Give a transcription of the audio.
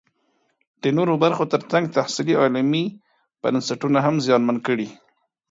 د نورو برخو ترڅنګ تحصیلي او علمي بنسټونه هم زیانمن کړي